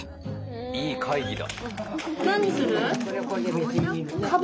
いい会議だ。